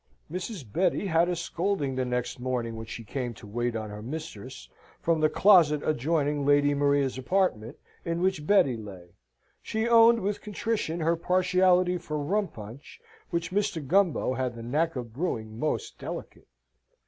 Mrs. Betty had a scolding the next morning, when she came to wait on her mistress, from the closet adjoining Lady Maria's apartment, in which Betty lay. She owned, with contrition, her partiality for rum punch, which Mr. Gumbo had the knack of brewing most delicate.